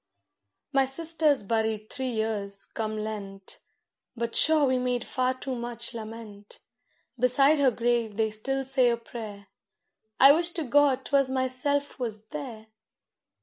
My sister's buried three years, come Lent; But sure we made far too much lament. Beside her grave they still say a prayer I wish to God 'twas myself was there!